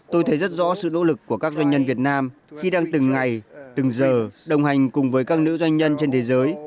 tôi thấy rất rõ sự nỗ lực của các doanh nhân việt nam khi đang từng ngày từng giờ đồng hành cùng với các nữ doanh nhân trên thế giới